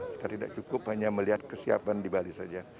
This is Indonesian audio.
kita tidak cukup hanya melihat kesiapan di bali saja